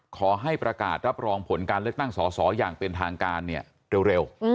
ขอให้ประกาศรับรองผลการเลือกตั้งสอสออย่างเป็นทางการเนี่ยเร็ว